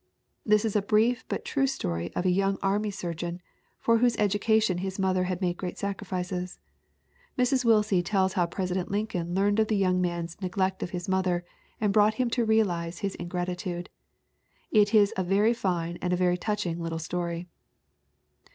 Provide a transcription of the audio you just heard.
This is a brief but true story of a young army surgeon for whose education his mother had made great sacrifices. Mrs. Willsie tells how President Lincoln learned of the young man's neg lect of his mother and brought him to realize his in gratitude. It is a very fine and very touching little story.